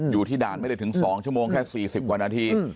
อยู่ที่ด่านไม่ได้ถึง๒ชั่วโมงแค่๔๐กว่านาที